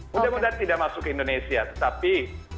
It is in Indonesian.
mudah mudahan tidak masuk ke indonesia tetapi